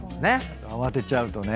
慌てちゃうとね。